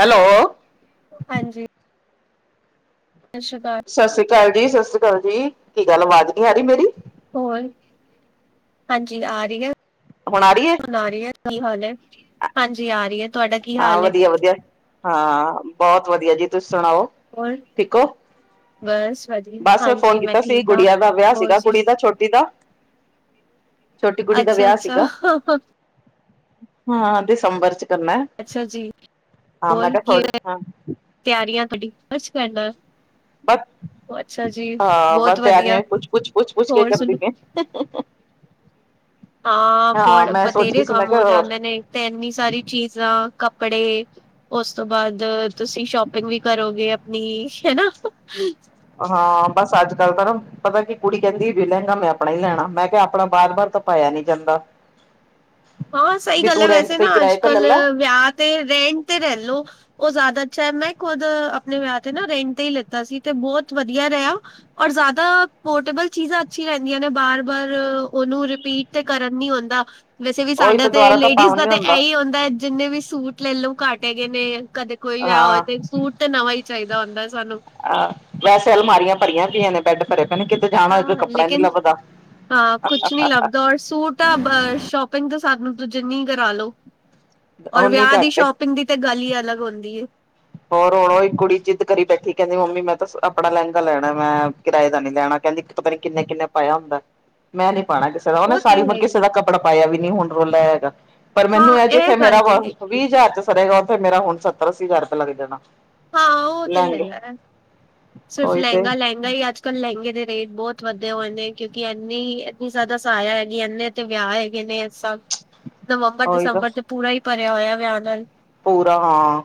Hello ਹਾਂਜੀ ਸਤਿ ਸ਼੍ਰੀ ਅਕਾਲ ਸਤਿ ਸ੍ਰੀ ਅਕਾਲ ਜੀ, ਸਤਿ ਸ਼੍ਰੀ ਅਕਾਲ ਜੀ ਕੀ ਗੱਲ ਆਵਾਜ਼ ਨੀ ਆ ਰਹੀ ਮੇਰੀ ਹੋਰ ਹਾਂਜੀ ਆ ਰਹੀ ਹੈ। ਹੁਣ ਆ ਰਹੀ ਏ ਆ ਰਹੀ ਹੈ ਕੀ ਹਾਲ ਹੈ ਹਾਂਜੀ ਆ ਰਹੀ ਹੈ ਤੁਹਾਡਾ ਕੀ ਹਾਂ ਹਾਲ ਹੈ? ਵਧੀਆ- ਵਧੀਆ ਹਾਂ ਬੋਤ ਵਧੀਆ ਜੀ ਤੁਸੀਂ ਸੁਣਾਓ ਹੋਰ ਠੀਕੋ ਬਸ ਵਧੀਆ ਬਸ ਹਾਂਜੀ ਫੋਨ ਮੈਂ ਕੀਤਾ ਸੀ ਠੀਕ ਹਾਂ। ਗੁੜੀਆ ਦਾ ਵਿਆਹ ਹੋਰ ਸੀਗਾ ਜੀ, ਕੁੜੀ ਦਾ ਛੋਟੀ ਦਾ ਛੋਟੀ ਕੁੜੀ ਦਾ ਵਿਆਹ ਅੱਛਾ-ਅੱਛਾ, ਅੱਛਾ ਸੀਗਾ ਹਾਂ ਦਸੰਬਰ ਚ ਕਰਨਾ ਅੱਛਾ ਜੀ ਹਾਂ ਮੈਂ ਹੋਰ ਕਿਹਾ ਕੀ ਥੋੜੀ ਹਾਂ ਤਿਆਰੀਆਂ ਤੁਹਾਡੀ ਖਚ ਕਰਨਾ ਬਸ ਅੱਛਾ ਜੀ, ਹਾਂ ਬਸ ਬਹੁਤ ਤਿਆਰੀਆਂ ਵਧੀਆ। ਵੀ ਪੁੱਛ, ਪੁਛ, ਪੁੱਛ, ਪੁੱਛ ਕੇ ਹੋਰ ਕਰਦੀ ਸੁਣ ਪਈ ਹਾ [inaudible] ਹਾਂ ਬੜ ਸੋਚ ਰਹੀ ਬਥੇਰੇ ਸੀ ਕੰਮ ਮੈਂ ਹੋ ਕਿਹਾ ਹੋਰ ਜਾਂਦੇ ਨੇ ਤੇ ਐਨੀ ਸਾਰੀ ਚੀਜ਼ਾਂ ਕੱਪੜੇ ਉਸ ਤੋਂ ਬਾਦ ਤੁਸੀਂ ਸ਼ੋਪਿੰਗ ਵੀ ਕਰੋਗੇ ਆਪਣੀ ਹਨਾ ਹਾਂ ਬਸ ਅੱਜ ਕੱਲ ਤਾਂ ਨਾ ਪਤਾ ਕੀ ਕੁੜੀ ਕਹਿੰਦੀ ਵੀ ਲਹਿੰਗਾ ਮੈਂ ਆਪਣਾ ਈ ਲੈਣਾ ਮੈਂ ਕਿਹਾ ਆਪਣਾ ਬਾਰ- ਬਾਰ ਤਾਂ ਪਾਇਆ ਨੀ ਜਾਂਦਾ। ਹਾਂ, ਸਹੀ ਵੀ ਗੱਲ ਤੂੰ ਹੈ ਰੈਂਟ ਵੈਸੇ ਤੇ ਨਾ, ਕਿਰਾਏ ਅੱਜ- ਤੇ ਲੈ ਕੱਲ ਲੈ ਵਿਆਹ ਤੇ ਰੈੰਟ ਤੇ ਲੈ ਲੋੋ। ਉਹ ਜ਼ਿਆਦਾ ਅੱਛਾ ਏ, ਮੈਂ ਖੁਦ ਆਪਣੇ ਵਿਆਹ ਤੇ ਨਾ ਰੈੰਟ ਤੇ ਹੀ ਲਿਤਾ ਸੀ, ਤੇ ਬੋਤ ਵਧੀਆ ਰਿਹਾ। ਔਰ ਜ਼ਿਆਦਾ ਪੋਰਟੇਬਲ ਚੀਜ਼ਾਂ ਅੱਛੀ ਰਹਿੰਦੀਆਂ ਨੇ, ਬਾਰ- ਬਾਰ ਉਹਨੂੰ ਰਿਪੀਟ ਤੇ ਕਰਨ ਨੀ ਹੁੰਦਾ, ਵੈਸੇ ਵੀ ਉਹੀ ਸਾਡਾ ਤਾਂ ਤੇ ਦੁਬਾਰਾ ਤਾਂ ਲੇਡੀਜ਼ ਪਾਵਨ ਦਾ ਨੀ ਤੇ ਇਹੀ ਹੁੰਦਾ ਜਿੰਨੇ ਵੀ ਸੂਟ ਲੈ ਲਓ, ਘੱਟ ਹੈਗੇ ਨੇ। ਕਦੇ ਕੋਈ ਵਿਆਹ ਹੋਵੇ ਹਾਂ ਤੇ, ਇਕ ਸੂਟ ਤੇ ਨਵਾਂ ਹੀ ਚਾਈਦਾ ਹੁੰਦਾ ਸਾਨੂੰ। ਅਹ, ਵੈਸੇ ਅਲਮਾਰੀਆਂ ਭਰੀਆਂ ਪਈਆਂ ਨੇ, ਬੈਡ ਭਰੇ ਪਏ ਨੇ, ਕਿ ਹਾਂ ਲੇਕਿਨ, ਹਾਂ ਕੁਛ ਨਹੀਂ ਲੱਭਦਾ ਔਰ ਸੂਟ ਤਾਂ ਬਸ, ਸ਼ੋਪਿੰਗ ਤਾਂ ਸਾਨੂੰ ਜਿੰਨੀ ਕਰਾਾਲੋ, ਔਰ ਓਨੀ ਵਿਆਹ ਦੀ ਘੱਟ ਏ। ਸ਼ੋਪਿੰਗ ਦੀ ਤੇ, ਗੱਲ ਹੀ ਅਲੱਗ ਹੁੰਦੀ ਹੈ। ਹੋਰ ਹੁਣ ਉਹੀ ਕੁੜੀ ਜਿੱਦ ਕਰੀ ਬੈਠੀ, ਕਹਿੰਦੀ ਮੰਮੀ ਮੈਂ ਤਾਂ ਆਪਣਾ ਲਹਿੰਗਾ ਲੈਣਾ ਮੈਂ ਕਿਰਾਏ ਦਾ ਨੀ ਲੈਣਾ, ਕਹਿੰਦੀ ਕਿ ਪਤਾ ਨੀ ਕਿੰਨੇ- ਕਿੰਨੇ ਪਾਇਆ ਹੁੰਦਾ। ਮੈਂ ਨੀ ਪਾਉਣਾ ਕਿਸੇ ਦਾ, ਉਹਨੇ ਉਹ ਤੇ ਸਾਰੀ ਉਮਰ ਕਿਸੇ ਹੈਗੀ ਦਾ ਕੱਪੜਾ ਪਾਇਆ ਵੀ ਨੀ, ਹੁਣ ਰੋਲਾ ਹੈਗਾ। ਪਰ ਹਾਂ ਮੈਨੂੰ ਇਹ, ਜਿੱਥੇ ਗੱਲ ਮੇਰਾ ਤੇ ਹੈਗੀ ਏ। ਵ-ਵੀਹ ਹਜ਼ਾਰ 'ਚ ਸਰੇਗਾ, ਉੱਥੇ ਮੇਰਾ ਹੁਣ ਸੱਤਰ- ਅੱਸੀ ਹਜ਼ਾਰ ਰੁਪਇਆ ਲੱਗ ਜਾਣਾ। ਹਾਂ ਉਹ ਤੇ ਲਹਿੰਗੇ ਹੈਗਾ, ਸਿਰਫ ਉਹੀ ਤੇ ਲਹਿੰਗਾ ਲਹ ਨਈ ਅੱਜ-ਕੱਲ੍ਹ ਲਹਿੰਗੇ ਦੇ ਰੇਟ ਬਹੁਤ ਵਧੇ ਹੋਏ ਨੇ, ਕਿਉਂਕਿ ਇੰਨੀ- ਇੰਨੀ ਜ਼ਿਆਦਾ ਸਹਾਇਆ ਹੈਗੀ ਇੰਨੇ ਤੇ ਵਿਆਹ ਹੈਗੇ ਨੇ, ਇਹ ਸਭ [unintelligible] ਨਵੰਬਰ, ਉਹੀ ਦਸੰਬਰ ਤਾਂ ਤੇ ਪੂਰਾ ਹੀ ਭਰਿਆ ਹੋਇਆ, ਵਿਆਹ ਨਾਲ। ਪੂਰਾ ਹਾਂ,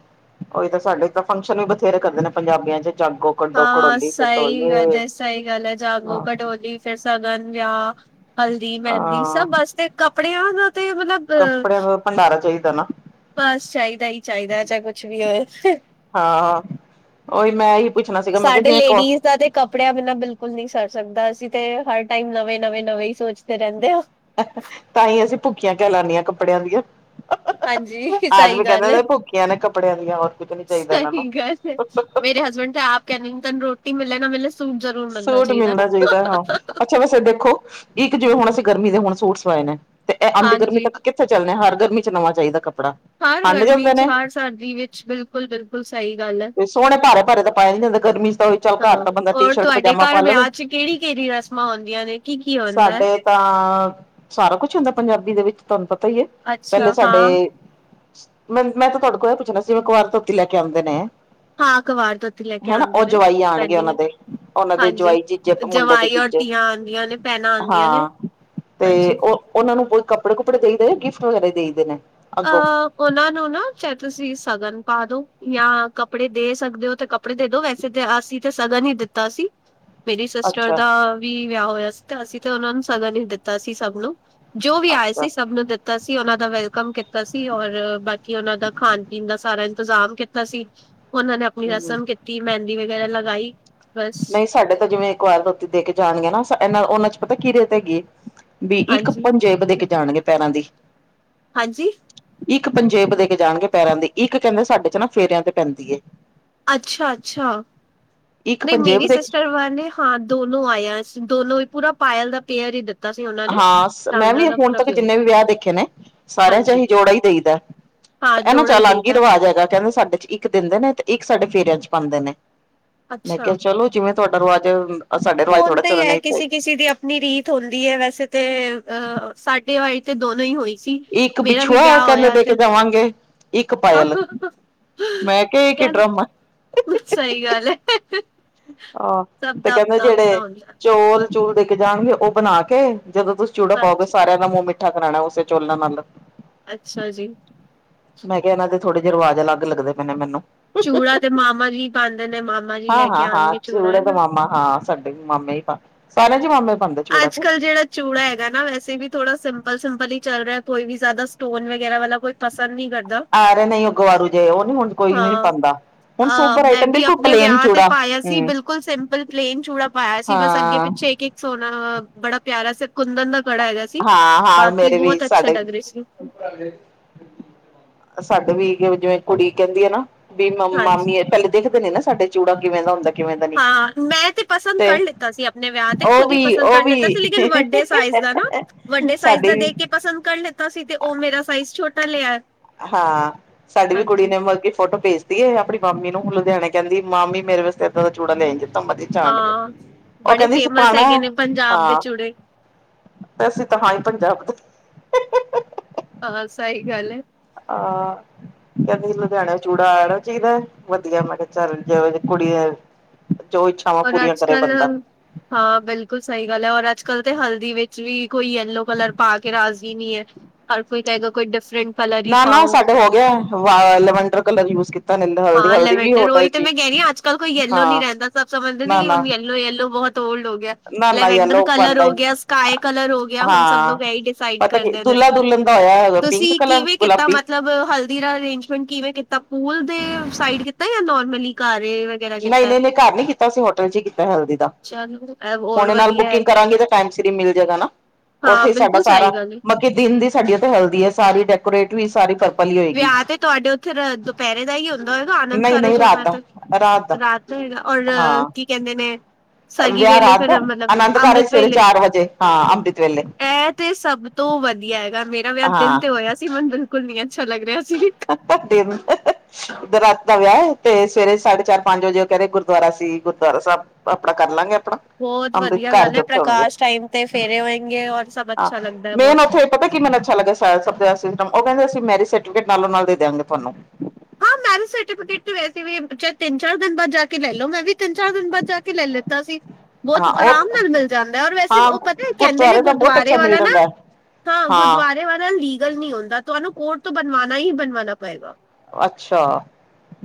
ਉਹੀ ਤਾਂ ਸਾਡੇ ਤਾਂ ਫੰਕਸ਼ਨ ਵੀ ਬਥੇਰੇ ਕਰਦੇ ਨੇ, ਪੰਜਾਬੀਆਂ 'ਚ ਜਾਗੋ ਕੱਢੋ ਹਾਂ ਘੜੋਲੀ ਕੱਢੋ ਸਹੀ ਗੱਲ ਯੇ ਹੈ, ਸਹੀ ਗੱਲ ਹੈ, ਜਾਗੋ, ਹਾਂ ਕੜੋਲੀ, ਫਿਰ ਸਗਨ, ਵਿਆਹ ਹਲਦੀ, ਮਹਿੰਦੀ ਸਭ ਵਾਸਤੇ ਕੱਪੜਿਆਂ ਦਾ ਤੇ ਮਤਲਬ ਅ ਕੱਪੜਿਆਂ ਦਾ ਤੇ, ਭੰਡਾਰਾ ਚਾਹੀਦਾ ਨਾ। ਬਸ ਚਾਹੀਦਾ ਹੀ-ਚਾਹੀਦਾ ਏ, ਚਾਹੇ ਕੁਛ ਵੀ ਹੋਵੇ। ਹਾਂ। ਉਹੀ ਮੈਂ ਇਹੀ ਪੁੱਛਣਾ ਸੀਗਾ, ਮੈਂ ਕਿਹਾ, ਸਾਡੇ ਜਿਵੇਂ ਕੋ ਲੇਡੀਜ਼ ਦਾ ਤੇ ਕੱਪੜਿਆਂ ਬਿਨਾਂ ਬਿਲਕੁਲ ਨਹੀਂ ਸਰ ਸਕਦਾ, ਅਸੀਂ ਤੇ ਹਰ ਟਾਈਮ ਨਵੇਂ- ਨਵੇਂ -ਨਵੇਂ ਹੀ ਸੋਚਦੇ ਰਹਿੰਦੇ ਹਾਂ। ਤਾਂਹੀ ਅਸੀਂ ਭੁੱਖੀਆਂ ਕਹਿ ਲਾਨੀ ਹ, ਕੱਪੜਿਆਂ ਦੀਆਂ। ਹਾਂਜੀ ਸਹੀ ਆਦਮੀ ਕਹਿੰਦੇ ਗੱਲ ਨੇ, ਹੈ ਇਹ ਤੇ ਭੁਖੀਆਂ ਨੇ ਕੱਪੜਿਆਂ ਦੀਆਂ, ਹੋਰ ਕੁਛ ਨੀ ਚਾਹੀਦਾ ਇਹਨਾਂ ਨੂੰ। ਸੱਚ, ਮੇਰੇ ਹਸਬੈਂਡ ਤੇ ਆਪ ਕਹਿੰਦੇ ਨੇ, ਤੈਨੂੰ ਰੋਟੀ ਮਿਲੇ ਨਾ ਮਿਲੇ ਸੂਟ ਜਰੂਰ, ਮਿਲਣਾ ਚਾਹੀਦਾ ਨਾ। ਅੱਛਾ ਵੈਸੇ ਦੇਖੋ, ਇੱਕ ਜੇ ਹੁਣ ਅਸੀਂ ਗਰਮੀ ਦੇ ਹੁਣ ਸੂਟ ਸਵਾਏ ਨੇ, 'ਤੇ ਇਹ ਆਉਂਦੀ ਗਰਮੀ ਹਾਂਜੀ ਤੱਕ ਕਿ ਕਿਥੇ ਚੱਲਣੇ, ਹਰ ਗਰਮੀ 'ਚ ਨਵਾ ਚਹੀਦਾ ਕੱਪੜਾ। ਹਰ ਹੰਡ ਗਰਮੀ ਜਾਂਦੇ 'ਚ, ਨੇ ਹਰ ਸਰਦੀ ਵਿੱਚ, ਬਿਲਕੁਲ ਬਿਲਕੁਲ ਸਹੀ ਗੱਲ ਹੈ। ਤੇ ਸੋਹਣੇ ਭਾਰੇ ਭਾਰੇ ਤਾਂ ਪਾਏ ਨੀ ਜਾਂਦੇ ਗਰਮੀ ਚ ਤਾਂ ਉਹੀ ਚੱਲ ਘਰ ਹਾਂ, ਤਾਂ ਬੰਦਾ ਟੀ ਹੋਰ ਸ਼ਰਟ ਤੁਹਾਡੇ ਪਜਾਮਾ ਪਾ ਘਰ ਲਵੇ ਵਿਆਹ 'ਚ ਕਿਹੜੀ- ਕਿਹੜੀ ਰਸਮਾਂ ਹਉਂਦੀਆਂ ਨੇ, ਕੀ -ਕੀ ਹੁੰਦਾ ਹੈ? ਸਾਡੇ ਤਾਂ, ਸਾਰਾ ਕੁਛ ਹੁੰਦਾ ਪੰਜਾਬੀ ਦੇ ਵਿੱਚ, ਤੁਹਾਨੂੰ ਪਤਾ ਹੀ ਹੈ, ਪਹਿਲੇ ਅੱਛਾ ਸਾਡੇ ਹਾਂ ਮੈਂ-ਮੈਂ ਤਾਂ ਤੁਹਾਡੇ ਕੋਲ ਇਹ ਪੁੱਛਣਾ ਸੀ, ਜਿਵੇਂ ਕੁਵਾਰ- ਧੋਤੀ ਲੈ ਕੇ ਆਉਂਦੇ ਨੇ ਹਾਂ ਕਵਾਰ ਧੋਤੀ ਲੈ ਕੇ ਹਨਾ, ਉਹ ਆਉਂਦੇ ਨੇ ਜਵਾਈ ਆਉਣਗੇ ਪੈਂਦੀ ਉਹਨਾਂ ਨੇ ਦੇ। ਉਹਨਾਂ ਦੇ ਹਾਂਜੀ ਜਵਾਈ- ਜਿਜੇ, ਮੁੰਡੇ ਦੇ ਜਵਾਈ ਔਰ ਜੀਜੇ, ਧੀਆਂ ਆਉਂਦੀਆਂ ਨੇ ਭੈਣਾਂ ਆਉਂਦੀਆਂ ਨੇ ਹਾਂ ਤੇ ਹਾਂਜੀ ਉਹ ਉਹਨਾਂ ਨੂੰ ਕੱਪੜੇ-ਕੁੱਪੜੇ ਦੇਈ ਦੇ ਨੇ, ਗਿਫਟ ਵਗੈਰਾ ਦੇਈ ਦੇ ਨੇ? ਅੱਗੋਂ ਅਹ, ਉਹਨਾਂ ਨੂੰ ਨਾ ਚਾਹੇ ਤੁਸੀਂ ਸਗਨ ਪਾ ਦੋ, ਜਾਂ ਕੱਪੜੇ ਦੇ ਸਕਦੇ ਹੋ ਤੇ ਕੱ ਕੱਪੜੇ ਦੇ ਦੋ, ਵੈਸੇ ਤਾਂ ਅਸੀਂ ਤੇ ਸਗਨ ਹੀ ਦਿੱਤਾ ਸੀ। ਮੇਰੀ ਸਿਸਟਰ ਅੱਛਾ ਦਾ ਵੀ ਵਿਆਹ ਹੋਇਆ ਸੀ, ਤੇ ਅਸੀਂ ਤੇ ਉਹਨਾਂ ਨੂੰ ਸਗਨ ਹੀ ਦਿੱਤਾ ਸੀ ਸਭ ਨੂੰ। ਜੋ ਵੀ ਆਏ ਅੱਛਾ ਸੀ, ਸਭ ਨੂੰ ਦਿੱਤਾ ਸੀ, ਉਹਨਾਂ ਦਾ ਵੈਲਕਮ ਕੀਤਾ ਸੀ, ਔਰ ਬਾਕੀ ਉਹਨਾਂ ਦਾ ਖਾਣ- ਪੀਣ ਦਾ ਸਾਰਾ ਇੰਤਜ਼ਾਮ ਕੀਤਾ ਸੀ। ਉਹਨਾਂ ਨੇ ਆਪਣੀ ਹਮ ਰਸਮ ਕੀਤੀ, ਮਹਿੰਦੀ ਵਗੈਰਾ ਲਗਾਈ। ਬਸ ਨਹੀਂ ਸਾਡੇ ਤਾਂ ਜਿਵੇਂ, ਕਵਾਰ-ਧੋਤੀ ਦੇ ਕੇ ਜਾਣਗੀਆਂ ਨਾ, ਇਹਨਾ -ਉਹਨਾ 'ਚ ਪਤਾ ਕਿ ਰਿਤ ਹੈਗੀ ਬੀ ਇੱਕ, ਹਾਂਜੀ ਪੰਜੇਬ ਦੇ ਕੇ ਜਾਣਗੇ ਪੈਰਾਂ ਦੀ। ਹਾਂਜੀ? ਇੱਕ ਪੰਜੇਬ ਦੇ ਕੇ ਜਾਣਗੇ ਪੈਰਾਂ ਦੀ, ਇੱਕ ਕਹਿੰਦੇ ਸਾਡੇ 'ਚ ਨਾ ਫੇਰਿਆਂ ਤੇ ਪੈਂਦੀ ਏ। ਅੱਛਾ ਅੱਛਾ, ਇੱਕ ਨਹੀਂ ਪੰਜੇਬ ਮੇਰੀ ਦੇ ਸਿਸਟਰ ਬ ਨੇ ਹਾਂ ਦੋਨੋ ਆਇਆ ਸੀ, ਦੋਨੋ ਵੀ ਪੂਰਾ ਪਾਇਲ ਦਾ ਪੇਅਰ ਹੀ ਦਿੱਤਾ ਸੀ ਉਹਨਾਂ ਨੇ। ਹਾਂਂ ਸ, ਮੈਂ ਚਾਂਦਰਾ ਵੀ ਦਾ ਹੁਣ ਪੂਰਾ ਤੱਕ ਪੇਅਰ ਜਿੰਨੇ ਵੀ ਵਿਆਹ ਦੇਖੇ ਨੇ ਸਾਰਿਆਂ ਚ ਹਾਂਜੀ ਅਹੀ ਜੋੜਾ ਹੀ ਦੇਈਦਾ। ਹਾਂ ਇਹਨਾਂ ਚ ਜੋੜਾ ਅਲੱਗ ਹੀ ਦੇਈਦਾ ਰਿਵਾਜ ਹੈਗਾ ਕਹਿੰਦੇ ਸਾਡੇ ਚ ਇ ਇੱਕ ਦਿੰਦੇ ਨੇ ਤੇ ਇੱਕ ਸਾਡੇ ਫੇਰਿਆਂ ਚ ਪਾਉਂਦੇ ਨੇ ਮੈਂ ਅੱਛਾ। ਕਿਹਾ ਚਲੋ ਜਿਵੇਂ ਤੁਹਾਡਾ ਰਵਾਜ ਅਸਾਡੇ ਰਿਵਾਜ ਥੋੜਾ ਚੱਲਣੇ ਇੱਥੇ ਨੀ ਰੀਤ ਹੁੰਦੀ ਏ ਵੈਸੇ ਤੇ ਅਹ ਸਾਡੇ ਵਾਰੀ ਤੇ ਦੋਨੋ ਹੀ ਹੋਈ। ਸੀ, ਮੇਰਾ ਵੀ ਵਿਆਹ ਹੋਇਆ ਤੇ ਪਾਂਗੇ ਇੱਕ ਪਾਇਲ, ਮੈਂ ਕਿਹਾ ਏ ਕਿ ਚਲੋ ਡਰਮ ਸਹੀ ਗੱਲ ਹੈ। ਆਹ, ਸਭ ਤੇ ਦਾ ਕਹਿੰਦੇ ਆਪਣਾ ਆਪਣਾ ਜਿਹੜੇ ਹੁੰਦਾ ਚੋਲ ਚੂਲ ਦੇ ਕੇ ਜਾਣਗੇ ਉਹ ਬਣਾ ਕੇ ਜਦੋ ਤੁਸੀਂ ਚੂੜਾ ਪਾਓਗੇ ਹਾਂਜੀ। ਸਾਰਿਆਂ ਦਾ ਮੂੰਹ ਮਿੱ ਠਾ ਕਰ ਲੈਣਾ ਉਸੇ ਚਲਾਂ ਨਾਲ, ਅੱਛਾ ਜੀ। ਮੈਂ ਕਿਹਾ, ਇਹਨਾਂ ਦੇ ਥੋੜੇ ਜੇ ਰਵਾਜ਼ ਅਲੱਗ ਲਗਦੇ ਪਏ ਨੇ ਮੈਨੂੰ। ਚੂੜਾ ਤੇ ਮਾਮਾ ਜੀ ਪਾਂਦੇ ਨੇ ਮਾਮਾ ਜੀ ਹਾਂ ਲੈ ਕੇ ਹਾਂ ਹਾਂ ਆਣਗੇ ਚੂੜੇ ਤਾ ਮਾਮਾ ਹਾਂ ਸਾਡੇ ਮਾਮੇ ਹੀ ਪਾਂਦੇ ਸਾਰਿਆਂ ਚ ਮਾਮੇ ਪਾਂਦੇ। ਅੱਜ ਕੱਲ ਜਿਹੜ ਚੂੜਾ ਹੈਗਾ ਨਾ ਵੈਸੇ ਵੀ ਥੋੜਾ ਸਿੰਪਲ, ਸਿੰਪਲ ਹੀ ਚੱਲ ਰਿਹਾ ਕੋਈ ਵੀ ਜ਼ਿਆਦਾ ਸਟੋਨ ਵਗੈਰਾ ਵਾਲਾ ਕੋਈ ਪਸੰਦ ਨਹੀ ਕਰਦਾ। ਆ ਰਹੇ ਨਹੀਂ ੳਹ ਗਵਾਰੂ ਜੇ ਉਹ ਨੀ ਹੁਣ ਕੋਈ ਵੀ ਨੀ ਪਾਂਦਾ। ਅਹ ਮੈਂ ਵੀ ਆਪਣੇ ਵਿਆਹ ਤੇ ਪਾਇਆ ਸੀ ਹੂੰ ਬਿਲਕੁਲ ਸਿੰਪਲ ਪਲੇਨ ਚੂੜਾ ਪਾਇਆ ਸੀ ਬਸ ਅੱਗੇ ਹਾਂ ਪਿੱਛੇ ਇੱਕ, ਇਕ ਸੋਹਣਾ, ਬੜਾ ਪਿਆਰਾ ਸ ਕੁੰਦਨ ਦਾ ਕੜਾ ਹੈਗਾ ਸੀ। ਹਾਂ-ਹਾਂ ਬਾਕੀ ਮੇਰੇ ਵੀ ਬਹੁਤ ਅੱਛੇ ਸਾਡੇ ਲੱਗ ਰਹੇ ਸੀ ਸਾਡੇ ਵੀ ਜਿਵੇਂ, ਜਿਵੇ ਕੁੜੀ ਕਹਿੰਦੀ ਆ ਨਾ ਵੀ ਮ ਹਾਂਜੀ। ਮਾਮੀ ਆ ਪਹਿਲੇ ਦੇਖਦੇ ਨੇ ਨਾ ਸਾਡੇ ਚੂੜਾ ਕਿਵੇਂ ਦਾ ਹੁੰਦੈ। ਹਾਂ, ਮੈਂ ਤੇ ਪਸੰਦ ਕਰ ਲਿੱਤਾ ਸੀ ਆਪਣੇ ਵਿਆਹ ਤੇ ਉਹ ਖੁਦ ਹੀ ਵੀ ਪਸੰਦ ਉਹ ਕਰ ਲਿਤਾ ਸੀ ਵੀ ਲੇਕਿਨ ਵੱਡੇ ਸਾਈਜ਼ ਦਾ ਹੈਨਾ, ਵੱਡੇ ਸਾਈਜ਼ ਸਾਡੀ ਦਾ ਵੀ ਦੇਖ ਕੇ ਪਸੰਦ ਕਰ ਲਤਾ ਸੀ ਤੇ ਉਹ ਮੇਰਾ ਸਾਈਜ਼ ਛੋਟਾ ਲਿਆ। ਹਾਂ, ਸਾਡੀ ਵੀ ਕੁੜੀ ਹਾਂਜੀ। ਨੇ ਮਤਲਬ ਕੀ ਫੋਟੋ ਭੇਜ ਦੀ ਏ, ਆਪਣੀ ਮਾਮੀ ਨੂੰ ਲੁਧਿਆਣੇ ਕਹਿੰਦੀ ਮਾਮੀ ਮੇਰੇ ਵਸਤੇ ਏਦਾਂ ਦਾ ਚੂੜਾ ਲਿਆਈ। ਮਧੀ ਚਾਂਡ ਕੇ ਹਾਂ ਉਹ ਬੜੇ ਕਹਿੰਦੀ ਸੀ ਫੇਮਸ ਪਾਣੈ, ਹੈਗੇ ਨੇ ਪੰਜਾਬ ਦੇ ਹਾਂ। ਚੂੜੇ ਤੇ ਅਸੀ ਤਾਂ ਹਾਂ ਈ ਪੰਜਾਬ ਤੋਂ। ਹਾਂ, ਸਹੀ ਗੱਲ ਏ। ਹਾਂ। ਕਹਿੰਦੀ ਲੁਧਿਆਣੋ ਚੂੜਾ ਆਣਾ ਚਾਹੀਦਾ ਵਧੀਆ ਮੈਂ ਕਿਹਾ ਚੱਲ ਜੋ ਵੀ ਕੁੜੀ ਜੋ ਇੱਛਾਵਾਂ ਔਰ ਪੂਰੀਆਂ ਅੱਜ ਕਰੇ ਬੰਦਾ ਕੱਲ੍ਹ ਹਾਂ, ਬਿਲਕੁਲ ਸਹੀ ਗੱਲ ਏ ਔਰ ਅੱਜ ਕੱਲ ਤੇ ਹਲਦੀ ਵਿੱਚ ਵੀ ਕੋਈ ਯੈਲੋ ਕਲਰ ਪਾ ਕੇ ਰਾਜ਼ੀ ਨਹੀ ਐ। ਹਰ ਕੋਈ ਕਹੇਗਾ ਕੋਈ ਡਿਫਰੈਂਟ ਨਾ, ਨਾ ਪਾਓ ਸਾਡੇ ਹੋ ਗਿਐ ਵ ਲੈਵਂਡਰ ਕਲਰ ਯੂਜ ਕਿ ਹਾਂ ਲਵੈਂਡਰ, ਉਹੀ ਤੇ ਮੈਂ ਕਹਿ ਰਹੀ ਆ ਅੱਜ ਕੱਲ ਕੋਈ ਯੈਲੋ ਨੀ ਹਾਂ ਰਹਿੰਦਾ ਸਭ ਸਮਝਦੇ ਨਾ ਕਿ ਨਾ ਹੁਣ ਯੈ ਯੈਲੋ, ਯੈਲੋ ਬਹੁਤ ਓਲਡ ਹੋ ਗਿਆ। ਨਾ ਨਾ ਲਵੈਡਰ ਯੈਲੋ ਕਲਰ ਪਾਂਦਾ ਹੋ ਹੀ ਨੀ। ਗਿਆ, ਸਕਾਈ ਕਲਰ ਹੋ ਗਿਆ ਹੁਣ ਸਭ ਹਾਂ ਲੋਗ ਇਹ ਹੀ ਡਿਸਾਈਡ ਪਤਾ ਕੀ ਕਰਦੇ। ਦੁਲਲਾ ਦੁਲਹਨ ਦਾ ਹੋਇਆ ਪਿੰਕ ਤੁਸੀਂ ਕਲਰ ਕਿਵੇਂ ਕੀਤਾ ਗੁਲਾਬੀ ਮਤਲਬ ਹਲ ਹਲਦੀ ਦਾ ਅਰੇਂਜਮੈਂਟ ਕਿਵੇਂ ਕੀਤਾ ਪੂਲ ਦੇ ਸਾਈਡ ਕੀਤਾ ਜਾਂ ਨੋਰਮਲੀ ਘਰ ਏ। ਵਗੈਰਾ ਨਹੀ, ਕੀਤਾ? ਨਹੀਂ, ਨੀ ਘਰ ਨੀ ਕੀਤਾ ਅਸੀਂ ਹੋਟਲ ਚ ਹੀ ਕੀਤਾ ਹਲਦੀ ਦਾ, ਚਲੋ ਐ ਹੋਰ ਹੁਣੇ ਨਾਲ ਵਧੀਆ ਹੈ ਬੁਕਿੰਗ ਕਰਾਂਗੇ ਤੇ ਟੈਮ ਸਿਰ ਹੀ ਮਿਲ ਜੇ ਗਾ ਨਾ ਹਾਂ ਉੱਥੇ ਸਾਡਾ ਬਿਲਕੁਲ ਸਾਰਾ ਸਹੀ ਗੱਲ ਏ। ਮਤ ਕਿ ਦਿਨ ਦੀ ਸਾਡੀ ਓਥੇ ਹੈਲਦੀ ਹੈ ਸਾਰੀ ਡੈਕੋਰੇਟ ਵੀ ਸਾਰੀ ਹੀ ਹੋਏਗੀ ਵਿਆਹ ਤੇ ਤੁਹਾਡੇ ਉੱਥੇ ਦੁਪਹਿਰੇ ਦਾ ਹੀ ਹੁੰਦਾ ਹੈਏਗਾ ਆਨੰਦ ਨਹੀਂ ਨਹੀਂ ਕਾਰਜ ਹੋਣਾ ਰਾਤ ਏ ਤੇ। ਦਾ ਦਾ ਰਾਤ ਨੂੰ ਹੈ, ਔਰ ਹਾਂ ਕੀ ਕਹਿੰਦੇ ਨੇ? ਸਗੀ ਵਿਆਹ ਵੇਲੇ ਰਾਤ ਦਾ, ਫਿਰ ਮਤਲਬ ਆਨੰਦ ਕਾਰਜ ਅੰਮ੍ਰਿਤ ਸਵੇਰੇ ਚਾਰ ਵਜੇ ਹਾਂ ਅੰਮ੍ਰਿਤ ਵੇਲੇ। ਏ ਤੇ ਸਭ ਤੋਂ ਵਧੀਆ ਹੈਗਾ, ਮੇਰਾ ਵਿਆਹ ਦਿਨ ਹਾਂ ਤੇ ਹੋਇਆ ਸੀ ਮੈਨੂੰ ਬਿਲਕੁਲ ਨੀ ਅੱਛਾ ਲੱਗ ਰਿਹਾ ਸੀ। ਘੱਟੇ ਨੂੰ [unintelligible] ਤੇ ਰਾਤ ਦਾ ਵਿਆਹ ਤੇ ਸਵੇਰੇ ਸਾਢੇ ਚਾਰ- ਪੰਜ ਵਜੇ ਉਹ ਕਹਿ ਰਹੇ ਗੁਰਦੁਆਰਾ ਸੀ ਗੁਰਦੁਆਰਾ ਸਾਹਿਬ ਆਪਣਾ ਕਰ ਲਾਂਗੇ। ਆਪਣਾ ਬਹੁਤ ਅੰਮ੍ਰਿਤ ਵਧੀਆ ਗੱਲ ਕਾਰਜ ਹੈ ਉੱਥੇ ਹੋਣਗੇ ਪ੍ਰਕਾਸ਼ ਟਾਈਮ ਤੇ ਫੇਰੇ ਹੋਏਗੇ, ਔਰ ਸਭ ਹਾਂ ਅੱਛਾ ਲੱਗਦਾ ਮੇਨ ਬਹੁਤ ਉੱਥੇ ਪਤਾ ਕੀ ਮੈਨੂੰ ਅੱਛਾ ਸਬ ਤੋ ਜਿਆਦਾ ਸਿਸਟਮ ਓ ਕਹਿੰਦੇ, ਅਸੀਂ ਮੈਰਿਜ ਸਰਟੀਫਿਕੇਟ ਨਾਲੋਂ-ਨਾਲ ਦੇ ਦਿਆਂਗੇ ਤੁਹਾਨੂੰ। ਹਾਂ ਮੈਰਿਜ ਸਰਟੀਕੇਟ ਵੈਸ ਵੀ ਤਿੰਨ-ਚਾਰ ਦਿਨ ਬਾਦ ਜਾਕੇ ਕੇ ਲੈ ਲਓ ਮੈਂ ਵੀ ਤਿੰਨ ਚਾਰ ਦਿਨ ਬਾਦ ਜਾ ਕੇ ਲੈ ਲਿੱਤਾ ਸੀ। ਬਹੁਤ ਹਾਂ ਆਰਾਮ ਉਹ ਨਾਲ ਮਿਲ ਜਾਂਦਾ ਔਰ ਵੈਸੇ ਹਾਂ ਉਹ ਪਤਾ ਕਹਿੰਦੇ ਨੇ ਗੁਰਦੁਆਰੇ ਦਾ ਬਹੁਤ ਗੁਰਦੁਆਰੇ ਅੱਛਾ ਮਿਲ ਵਾਲਾ ਨਾ ਜਾਂਦਾ ਹਾਂ, ਗੁਰਦੁਆਰੇ ਵਾਲਾ ਲੀਗਲ ਨਹੀਂ ਹੁੰਦਾ ਤੁਹਾਨੂੰ ਕੋਰਟ ਤੋਂ ਬਣਵਾਣਾ ਹੀ ਬਣਵਾਨਣਾ ਪਏਗਾ। ਅੱਛਾ।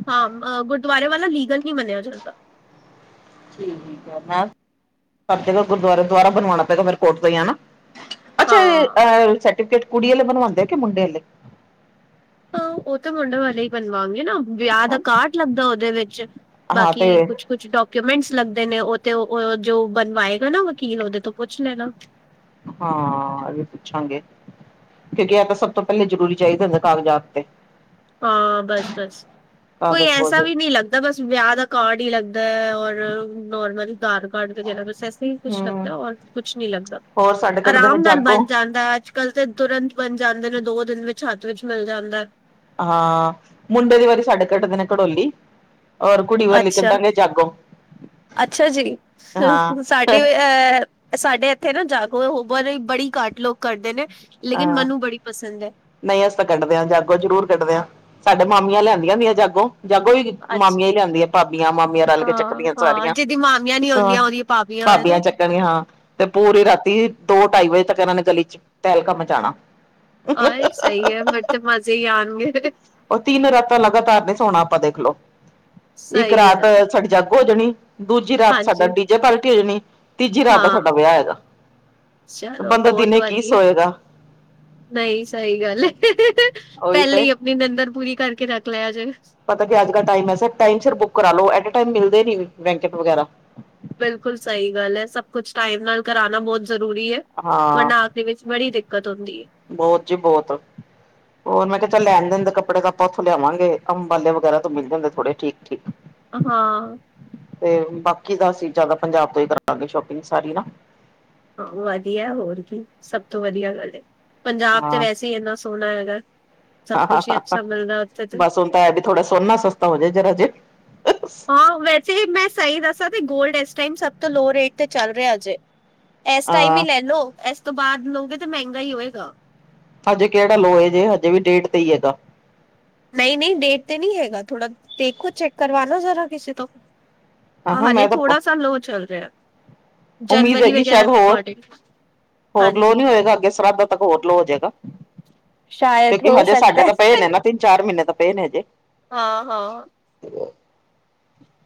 ਹਾਂ, ਅ ਗੁਰਦੁਆਰੇ ਵਾਲਾ ਲੀਗਲ ਨਹੀਂ ਮੰਨਿਆ ਜਾਂਦਾ। ਠੀਕ ਹੈ, ਮੈ ਗੁਰੂਦਵਾਰੇ ਵਾਲਾ ਦੁਬਾਰਾ ਬਣਵਾਉਣਾ ਪੈਗਾ ਫਿਰ ਕੋਟ ਤੋਂ ਹੀ ਹੈਨਾ। ਅੱਛਾ, ਹਾਂ ਅਹ ਸਰਟੀਫਿਕੇਟ ਕੁੜੀ ਵਾਲੇ ਬਣਵਾਉਂਦੇ ਆ ਕਿ ਮੁੰਡੇ ਵਲੇ ਹਾਂ, ਉਹ ਤਾਂ ਮੁੰਡੇ ਵਾਲੇ ਹੀ ਬਣਵਾਾਂਗੇ ਨਾ ਵਿਆਹ ਦਾ ਕਾਢ ਲੱਗਦਾ ਉਹਦੇ ਵਿੱਚ। ਹਾਂ ਤੇ ਬਾਕੀ ਕੁਛ ਕੁਛ ਡਾਕੂਮੈਂਟਸ ਲੱਗਦੇ ਨੇ ਉਹ ਤੇ ਜੋ ਬਣਵਾਏਗਾ ਨਾ ਵਕੀਲ ਉਹਦੇ ਤੋਂ ਪੁੱਛ ਲੈਣਾ। ਹਾਂ, ਇਹ ਵੀ ਪੁੱਛਾਂਗੇ। ਕਿਉਂਕਿ ਇਹ ਤਾਂ ਸਭ ਤੋਂ ਪਹਿਲੇ ਜ਼ਰੂ ਚਾਹੀਦੇ ਹੁੰਦੇ ਕਾਗਜਾਤ ਤੇ। ਹਾਂ, ਬਸ-ਬਸ ਕੋਈ ਕਾਗਜ਼ ਐਸਾ ਪੋਜੇ ਵੀ ਨਹੀਂ ਲੱਗ ਬਸ ਵਿਆਹ ਦਾ ਕਾਰਡ ਹੀ ਲੱਗਦਾ ਔਰ ਨੋਰਮਲ ਆਧਾਰ ਕਾਰਡ ਵਗੈਰਾ ਬਸ ਇਸ ਇਹੀ ਕੁੱਛ ਹਮ ਲੱਗਦਾ ਔਰ ਕੁਛ ਨੀ ਲੱਗਦਾ, ਹੋਰ ਸਾਡੇ ਕੱਢਦੇ ਨੇ ਆਰਾਮ ਨਾਲ ਜਾਗੋ ਬਣ ਜਾਂਦਾ ਅੱਜ ਕੱਲ ਤੇ ਤੁਰੰਤ ਬਣ ਜਾਂਦੇ ਨੇ ਦੋ ਦਿਨ ਵਿੱਚ ਹੱਥ ਵਿੱਚ ਮਿਲ ਜਾਂਦਾ। ਹਾਂ, ਮੁੰਡੇ ਦੀ ਵਾਰੀ ਸਾਡੇ ਕੱਢਦੇ ਨੇ ਘਟੋਲੀ ਔਰ ਕੁੜੀ ਵਾਲੇ ਅੱਛਾ ਕੱਢਾਂਗੇ ਜਾਗੋ ਅੱਛਾ ਜੀ, ਹਾਂ ਸਾਡੀ ਅ ਸਾਡੇ ਇੱਥੇ ਨਾ ਜਾਗੋ ਬੜੀ ਘਟ ਲੋਕ ਕਰਦੇ ਨੇ ਲੇਕਿਨ ਹਾਂ ਮੈਨੂੰ ਬੜੀ ਪਸੰਦ ਹੈ। ਨਹੀਂ, ਅਸੀ ਤਾਂ ਕੱਢਦੇ ਹਾਂ ਜਾਗੋ ਜ਼ਰੂਰ ਕੱਢਦੇ ਹਾਂ, ਸਾਡੇ ਮਾਮੀਆਂ ਲਿਆਂਦੀਆਂ ਹੁੰਦੀਆਂ ਜਾਗੋ। ਜਾਗੋ ਈ ਅੱਛਾ ਮਾਮੀਆਂ ਹੀ ਲਿਆਂਦੀਆਂ ਭਾਬੀਆਂ, ਮਾਮੀਆਂ ਰਲ ਕੇ ਹਾਂ ਚੱਕਦੀਆਂ ਹਾਂ ਸਾਰੀਆਂ ਜਿਹਦੀ ਮਾਮੀਆਂ ਨਹੀਂ ਸ ਹੁੰਦੀਆਂ ਉਹਦੀ ਭਾਬੀਆਂ ਹੈਨਾ ਕਹਿਣੀ ਹਾਂ, ਤੇ ਪੂਰੀ ਰਾਤੀ ਦੋ ਢਾਈ ਵਜੇ ਤੱਕ ਇਹਨਾਂ ਨੇ ਗਲੀ ਚ ਤਹਿਲਕਾ ਮਚਾਉਣਾ। ਆਏ ਸਹੀ ਹੈ ਫੇਰ ਤੇ ਮਜ਼ੇ ਹੀ ਆਉਣਗੇ ਉਹ ਤਿੰਨ ਰਾਤਾਂ ਲਗਾਤਾਰ ਨਹੀਂ ਸੋਣਾ ਆਪਾਂ ਦੇਖਲੋ, ਇੱਕ ਸਹੀ ਰਾਤ ਗੱਲ ਹੈ। ਸਾਡੀ ਜੱਗ ਹੋ ਜਾਣੀ। ਦੂਜੀ ਰਾਤ ਸਾਡਾ ਹਾਂਜੀ ਡੀਜੇ ਪਾਲਟੀ ਹੋ ਜਾਣੀ ਤੀਜੀ ਰਾਤ ਦਾ ਹਾਂ ਸਾਡਾ ਵਿਆਹ ਹੈਗਾ। ਚਲੋ ਬੰਦਾ ਬਹੁਤ ਦਿਨੇ ਕੀ ਵਧੀਆ। ਸੋਏਗਾ ਨਹੀਂ, ਸਹੀ ਗੱਲ ਏ ਉਹੀ ਪਹਿਲੇ ਤੇ ਹੀ ਆਪ ਨਿ ਨਿਰੰਦਰ ਪੂਰੀ ਕਰਕੇ ਰੱਖ ਲਿਆ ਜੇ। ਪਤਾ ਕਿ ਅੱਜ-ਕੱਲ ਟਾਈਮ ਏਸਾ ਟਮਿਮ ਸਿਰ ਬੁੱਕ ਕਰਾ ਲੋ, ਐਟ ਏ ਟਾਈਮ ਮਿਲਦੇ ਨੀ ਵੈਂਕਟ ਵਗੈਰਾ। ਬਿਲਕੁਲ ਸਹੀ ਗੱਲ ਹੈ ਸਭ ਕੁਛ ਟਾਈਮ ਨਾਲ ਕਰਾਉਣਾ ਬਹੁਤ ਜ਼ਰੂਰੀ ਹੈ ਹਾਂ ਵਰਨਾ ਵਿੱਚ ਬੜੀ ਦਿੱਕਤ ਹੁੰਦੀ ਹੈ। ਬਹੁਤ ਜੀ ਬਹੁਤ। ਹੋਰ ਮੈਂ ਕਿਹਾ ਚਾ ਲੈਣ-ਦੇਂਦੇ ਕੱਪੜੇ ਆਪਾਂ ਉੱਥੋਂ ਲਿਆਵਾਂਗੇ, ਅੰਬਾਲੇ ਵਗੈਰਾ ਤੋਂ ਮਿਲ ਜਾਂਦੇ ਥੋੜੇ ਠੀਕ-ਠੀਕ। ਹਾਂ। ਤੇ, ਬਾਕੀ ਦਾ ਅਸੀਂ ਜਿਆਦਾ ਪੰਜਾਬ ਤੋਂ ਹੀ ਕਰਵਾਂਗੇ। ਸ਼ੋਪਿੰਗ ਸਾਰੀ ਨਾ ਵਧੀਆ, ਹੋਰ ਕੀ ਸਭ ਤੋਂ ਵਧੀਆ ਗੱਲ। ਪੰਜਾਬ ਤੇ ਹਾਂ ਵੈਸੇ ਹੀ ਇਨਾ ਸੋਹਣਾ ਹੈਗਾ। ਸਭ ਕੁਛ ਹੀ ਅੱਛਾ ਮਿਲਦਾ ਉੱਥੇ ਤੇ ਬਸ ਹੁਣ ਵੀ ਥੋੜਾ ਸੋਨਾ ਸਸਤਾ ਹੋ ਜਾਵੇ। ਜ ਜੇ ਹਾਂ, ਵੈਸੇ ਮੈਂ ਸਹੀ ਦੱਸਾਂ ਤੇ ਗੋਲਡ ਤੇ ਸਭ ਤੋਂ ਲੋ ਰੇਟ ਤੇ ਚੱਲ ਰਿਹਾ। ਇਸ ਟਾਈਮ ਹੀ ਹਾਂ ਲੈ ਲਓ। ਇਸ ਤੋਂ ਬਾਅਦ ਲਓਗੇ ਤਾਂ ਮਹਿੰਗਾ ਹੀ ਹੋਏਗਾ। ਹਜੇ, ਕਿਹੜਾ ਲੋ ਏ ਜੇ ਹਜੇ ਵੀ ਡੇਢ ਤੇ ਹੀ ਹੈਗਾ। ਨਹੀਂ-ਨਹੀਂ ਡੇਢ ਤੇ ਨਹੀਂ ਹੈਗਾ। ਥੋੜਾ ਦੇਖੋ ਚੈੱਕ ਕਰਵਾਨੋ ਜ਼ਰਾ ਕਿਸੇ ਤੋਂ। ਹਾਂ ਹਾਂ ਹਾਲੇ, ਮੈਂ ਤਾਂ ਥੋੜਾ ਸ ਲੋਅ ਚੱਲ ਰਿਹਾ। ਉਮੀਦ ਹੈਗੀ, ਸ਼ਾਇਦ ਹੋਰ -ਹੋਰ ਲੋਅ ਨਹੀਂ ਹੋਏਗਾ, ਅੱਗੇ ਸ਼ਰਾਧਾ ਤੱਕ ਹੋਰ ਲੋਅ ਹੋ ਜਾਏਗਾ। ਸ਼ਾਇਦ ਕਿਉਂਕਿ, ਹੋ ਹਜੇ ਸਕਦਾ ਸਾਡੇ ਤਾਂ ਪਏ ਹੈ। ਨੇ ਨਾ ਤਿੰਨ -ਚਾਰ ਮਹੀਨੇ ਤਾਂ ਪਏ ਨੇ ਹਜੇ। ਹਾਂ -ਹਾਂ। ਹੋ।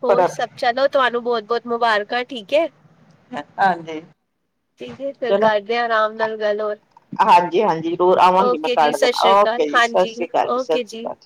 ਹੋਰ, ਸਭ ਚਲੋ ਤੁਹਾਨੂੰ ਬਹੁਤ- ਬਹੁਤ ਮੁਬਾਰਕਾਂ ਠੀਕ ਹੈ। ਹਾਂਜੀ। ਠੀਕ ਹੈ। ਫਿਰ ਚਲੋ ਕਰਦੇ ਆ, ਆਰਾਮ ਨਾਲ ਗੱਲ ਹੋਰ। ਹਾਂਜੀ ਹਾਂਜੀ ਜ਼ਰੂਰ ਆਵਾਂਗੀ ਮੈਂ ਓਕੇ, ਜੀ ਕਾਰਡ ਸਤ ਸ੍ਰੀ ਦੇਣਾ ਅਕਾਲ, ਓਕੇ ਜੀ ਸਤਿ ਹਾਂਜੀ ਸ਼੍ਰੀ ਅਕਾਲ ਸਤਿ ਓਕੇ ਸ਼੍ਰੀ ਜੀ। ਅਕਾਲ